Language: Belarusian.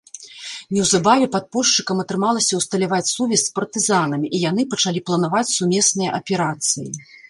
Неўзабаве падпольшчыкам атрымалася ўсталяваць сувязь з партызанамі і яны пачалі планаваць сумесныя аперацыі.